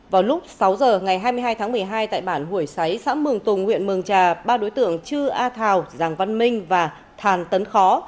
vào lúc sáu giờ ngày hai mươi hai tháng một mươi hai tại bản hủy xáy xã mường tùng huyện mường trà ba đối tượng chư a thào giàng văn minh và thàn tấn khó